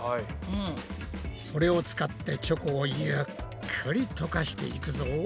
それを使ってチョコをゆっくりとかしていくぞ。